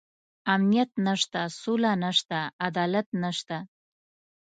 امنيت نشته، سوله نشته، عدالت نشته.